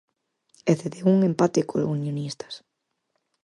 E cedeu un empate co Unionistas.